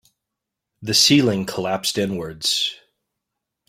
The ceiling collapsed inwards.